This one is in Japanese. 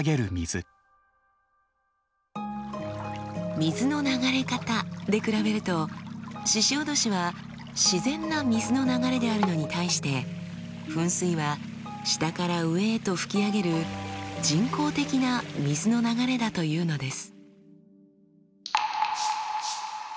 水の流れ方で比べると鹿おどしは自然な水の流れであるのに対して噴水は下から上へと噴き上げる人工的な水の流れだというのです。